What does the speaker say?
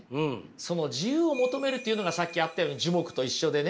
その自由を求めるっていうのがさっきあったように樹木と一緒でね